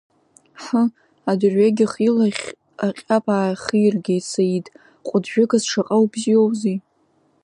Ҳы, адырҩегьых илахь аҟьаԥ аахиргеит Саид, ҟәыджәыгас шаҟа убзиоузеи…